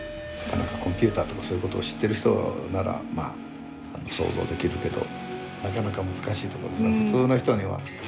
なかなかコンピューターとかそういうことを知ってる人ならまあ想像できるけどなかなか難しいとこですね普通の人には。